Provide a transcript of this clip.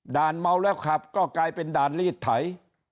เมาแล้วขับก็กลายเป็นด่านลีดไถ